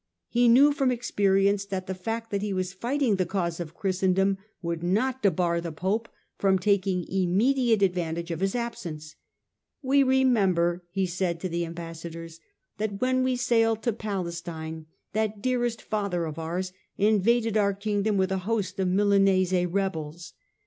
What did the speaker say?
He knew from experience that the fact that he was fighting the cause of Christendom would not debar the Pope from taking immediate advantage of his absence. " We remember," he said to the ambas sadors, " that when we sailed to Palestine that dearest Father of ours invaded our Kingdom with a host of Milanese rebels.